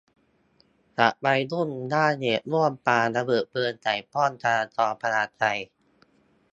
จับวัยรุ่น อ้างเหตุร่วมปาระเบิดเพลิงใส่ป้อมจราจรพญาไท